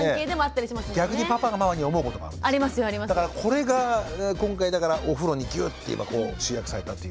これが今回だからお風呂にギュッて今集約されたという。